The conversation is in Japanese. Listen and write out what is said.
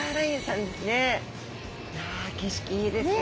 いや景色いいですね。